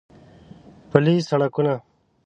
پلي سړکونه و.